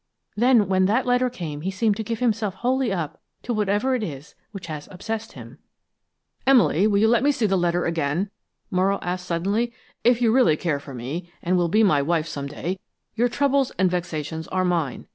Then, when that letter came he seemed to give himself wholly up to whatever it is which has obsessed him." "Emily, will you let me see the letter again?" Morrow asked suddenly. "If you really care for me, and will be my wife some day, your troubles and vexations are mine.